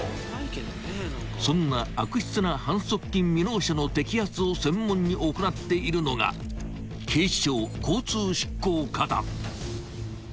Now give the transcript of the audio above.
［そんな悪質な反則金未納者の摘発を専門に行っているのが警視庁交通執行課だ］